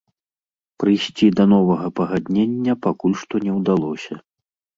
Прыйсці да новага пагаднення пакуль што не ўдалося.